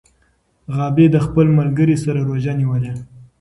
غابي د خپل ملګري سره روژه نیولې.